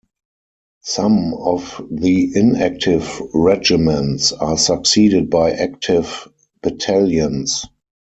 Some of the inactive regiments are succeeded by active battalions.